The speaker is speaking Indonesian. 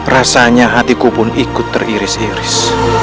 rasanya hatiku pun ikut teriris iris